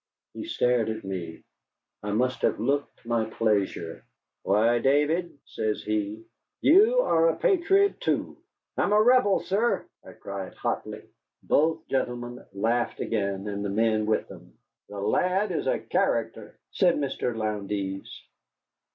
He stared at me. I must have looked my pleasure. "Why, David," says he, "you are a patriot, too." "I am a Rebel, sir," I cried hotly. Both gentlemen laughed again, and the men with them. "The lad is a character," said Mr. Lowndes.